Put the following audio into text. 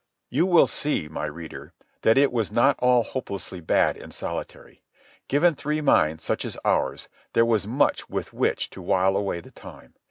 You will see, my reader, that it was not all hopelessly bad in solitary. Given three minds such as ours, there was much with which to while away the time.